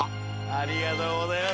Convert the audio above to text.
ありがとうございます！